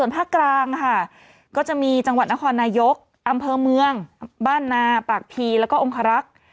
ภกร่างจังหว่านครนายกอำเภอเมืองบ้านนาปากพี่และองคลรักษณ์